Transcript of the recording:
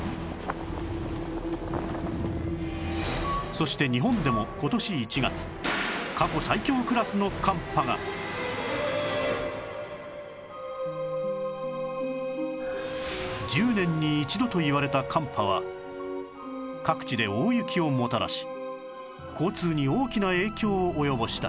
そして日本でも今年１月１０年に一度といわれた寒波は各地で大雪をもたらし交通に大きな影響を及ぼした